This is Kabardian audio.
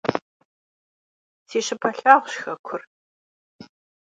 Si şıpe lhağuş xekur.